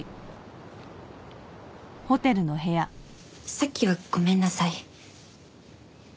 さっきはごめんなさい。